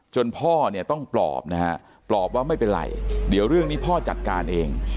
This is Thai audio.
พ่อเนี่ยต้องปลอบนะฮะปลอบว่าไม่เป็นไรเดี๋ยวเรื่องนี้พ่อจัดการเอง